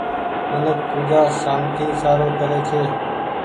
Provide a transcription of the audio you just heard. منک پوجآ سانتي سارو ڪري ڇي۔